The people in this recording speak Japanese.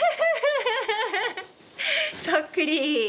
そっくり。